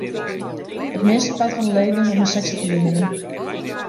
It meastepart fan de leden is om de sechstich jier hinne.